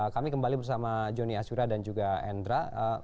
kami kembali bersama jonny asura dan juga endra